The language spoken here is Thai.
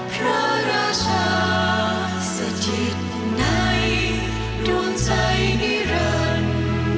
พระราชาสถิตในดวงใจนิรันดิ์